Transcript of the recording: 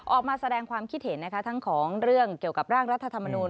ออกมาแสดงความคิดเห็นนะคะทั้งของเรื่องเกี่ยวกับร่างรัฐธรรมนูล